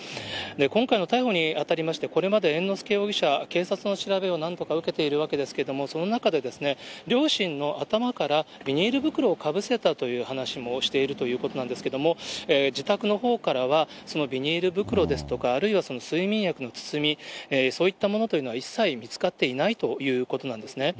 今回の逮捕にあたりまして、これまで猿之助容疑者、警察の調べを何度か受けているわけですけれども、その中で両親の頭からビニール袋をかぶせたという趣旨の話もしているということなんですけれども、自宅のほうからは、そのビニール袋ですとか、あるいはその睡眠薬の包み、そういったものというのは一切見つかっていないということなんですね。